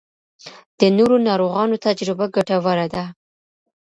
د نورو ناروغانو تجربه ګټوره ده.